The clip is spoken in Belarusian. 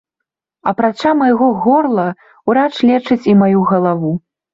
Апрача майго горла ўрач лечыць і маю галаву.